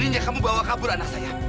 akhirnya kamu bawa kabur anak saya